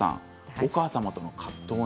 お母様との葛藤を。